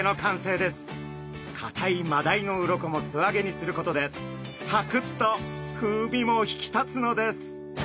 かたいマダイの鱗も素揚げにすることでサクッと風味も引き立つのです。